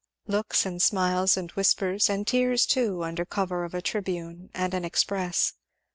Looks, and smiles, and whispers, and tears too, under cover of a Tribune and an Express.